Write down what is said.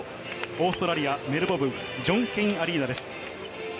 オーストラリア・メルボルンジョン、ジョン・ケイン・アリーナです。